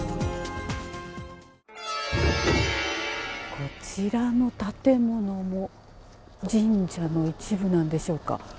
こちらの建物も神社の一部なんでしょうか。